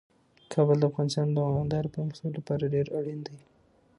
کابل د افغانستان د دوامداره پرمختګ لپاره ډیر اړین دی.